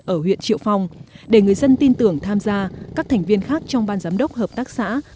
ở huyện triệu phong để người dân tin tưởng tham gia các thành viên khác trong ban giám đốc hợp tác xã